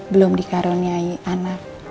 belum dikaruniai anak